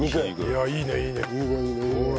いいねいいねいいね！